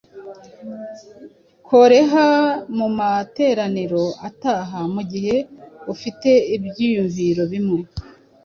koreha mumateraniro ataha mugihe ufite ibyiyumvo bimwe